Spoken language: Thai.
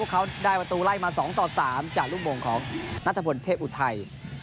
พวกเขาได้ประตูไล่มา๒๓จากลูกมงของนัทธบนเทพอุทัย